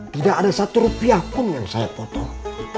tidak ada satu rupiah pun yang saya potong